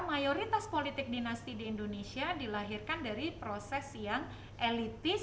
mayoritas politik dinasti di indonesia dilahirkan dari proses yang elitis